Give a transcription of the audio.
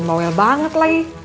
tidak peduli bang ojak